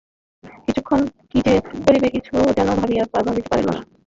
কিছুক্ষণ, কি যে করিবে কিছু যেন ভাবিয়া পাইল না।